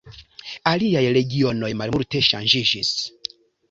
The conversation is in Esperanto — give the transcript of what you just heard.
Aliaj regionoj malmulte ŝanĝiĝis.